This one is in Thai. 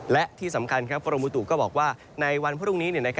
และที่สำคัญกรมบุตุก็บอกว่าในวันพรุ่งนี้